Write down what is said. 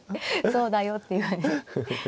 そうだよっていう。